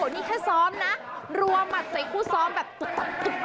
นี่แค่ซ้อมนะรวมมาใส่คู่ซ้อมแบบตุ๊ก